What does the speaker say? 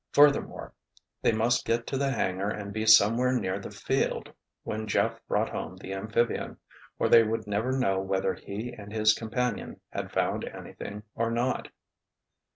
Furthermore, they must get to the hangar and be somewhere near the field when Jeff brought home the amphibian—or they would never know whether he and his companion had found anything or not.